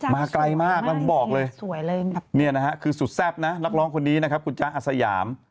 มาไกลมากแล้วผมบอกเลยเนี่ยนะฮะคือสุดแซ่บนะนักร้องคนนี้นะครับคุณจ๊ะอาสยาม